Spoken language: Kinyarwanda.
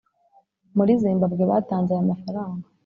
Muri Zimbabwe batanze aya mafaranga